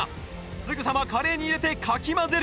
すぐさまカレーに入れてかき混ぜる